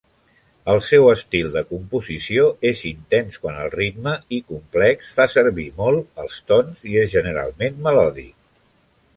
El seu estil de composició és intens quant al ritme i complex, fa servir molt els tons i és generalment melòdic.